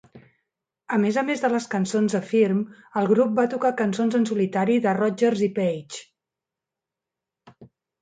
A més a més de les cançons de Firm, el grup va tocar cançons en solitari de Rodgers i Page.